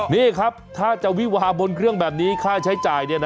นี่ครับถ้าจะวิวาบนเครื่องแบบนี้ค่าใช้จ่าย